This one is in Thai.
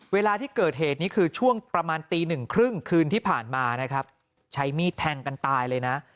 เวลาที่เกิดเหตุนี้คือช่วงประมาณตีหนึ่งครึ่งคืนที่ผ่านมานะครับใช้มีดแทงกันตายเลยนะ